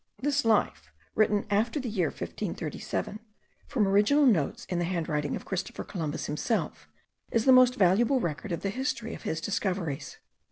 This Life, written after the year 1537, from original notes in the handwriting of Christopher Columbus himself, is the most valuable record of the history of his discoveries.